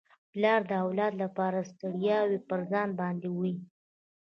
پلار د اولاد لپاره ستړياوي پر ځان باندي وړي.